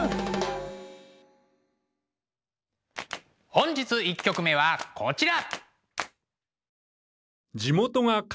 本日１曲目はこちら。